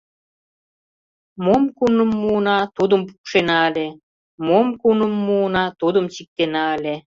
Мом куным муына, тудым пукшена ыле, мом куным муына, тудым чиктена ыле.